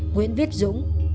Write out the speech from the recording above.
nguyễn viết dũng